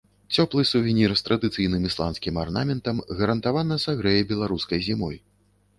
Цёплы сувенір з традыцыйным ісландскім арнаментам гарантавана сагрэе беларускай зімой.